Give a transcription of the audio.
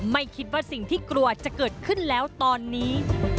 ไม่คิดว่าสิ่งที่กลัวจะเกิดขึ้นแล้วตอนนี้